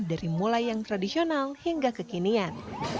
dari mulai yang tradisional hingga kekinian